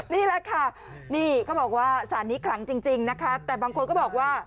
นี่แหละค่ะนี่เขาบอกว่าสารนี้ขลังจริงนะคะแต่บางคนก็บอกว่า